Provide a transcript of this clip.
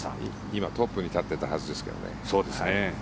今、トップに立ってたはずですけどね。